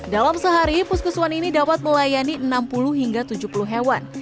dalam sehari puskeswan ini dapat melayani enam puluh hingga tujuh puluh hewan